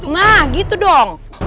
nah gitu dong